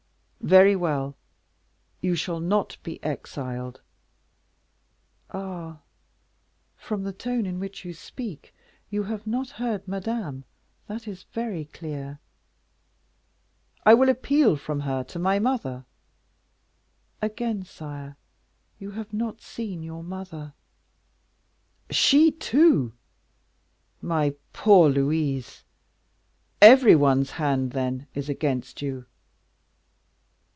Very well, you shall not be exiled." "Ah! from the tone in which you speak, you have not heard Madame, that is very clear." "I will appeal from her to my mother." "Again, sire, you have not seen your mother." "She, too! my poor Louise! every one's hand, then, is against you."